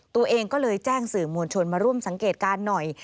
ตัวเองก็เลยแจ้งสื่อมวลชนมาร่วมสังเกตการณ์หน่อย